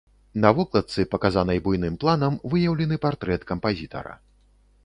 На вокладцы, паказанай буйным планам, выяўлены партрэт кампазітара.